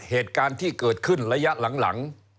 เหตุการณ์ที่เกิดขึ้นระยะหลัง